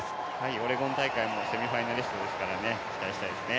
オレゴン大会もセミファイナリストですから、期待したいですね。